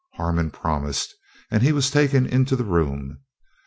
Harmon promised, and he was taken into the room.